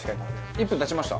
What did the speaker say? １分経ちました。